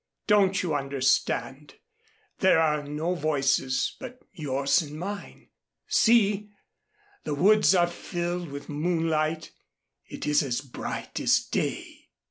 Don't you understand? There are no voices but yours and mine. See! The woods are filled with moonlight. It is as bright as day."